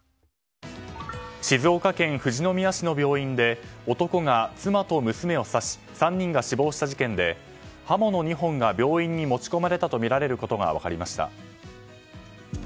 静岡県富士宮市の病院で男が妻と娘を指し３人が死亡した事件で刃物２本が病院に持ち込まれたとみられることが分かりました。